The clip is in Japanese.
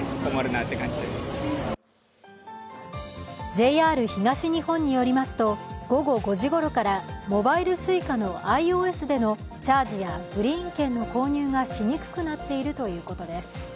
ＪＲ東日本によりますと、午後５時ごろからモバイルＳｕｉｃａのｉＯＳでのチャージやグリーン券の購入がしにくくなっているということです。